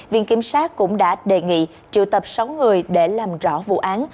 viện kiểm sát cũng đã đề nghị triệu tập sáu người để làm rõ vụ án